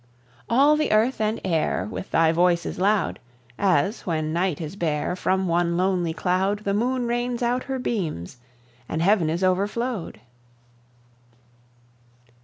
All the earth and air With thy voice is loud, As, when night is bare, From one lonely cloud The moon rains out her beams, and heaven is overflowed.